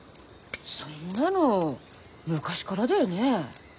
そんなの昔からだよね？